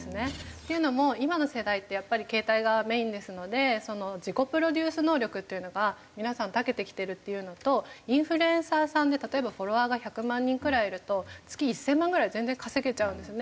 っていうのも今の世代ってやっぱり携帯がメインですので自己プロデュース能力っていうのが皆さん長けてきてるっていうのとインフルエンサーさんで例えばフォロワーが１００万人くらいいると月１０００万ぐらい全然稼げちゃうんですね。